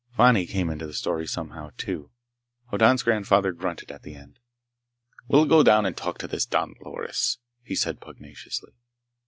Fani came into the story somehow, too. Hoddan's grandfather grunted, at the end. "We'll go down and talk to this Don Loris," he said pugnaciously.